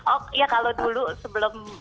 oh iya kalau dulu sebelum